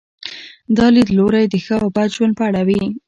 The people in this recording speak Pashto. دا لیدلوری د ښه او بد ژوند په اړه وي.